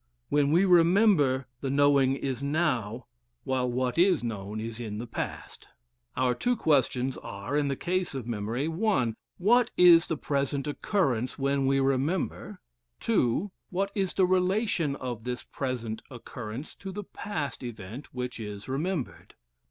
When we remember, the knowing is now, while what is known is in the past. Our two questions are, in the case of memory: (1) What is the present occurrence when we remember? (2) What is the relation of this present occurrence to the past event which is remembered?